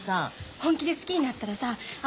本気で好きになったらさあ